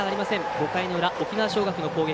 ５回の裏、沖縄尚学の攻撃。